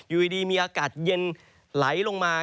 อยู่ดีมีอากาศเย็นไหลลงมา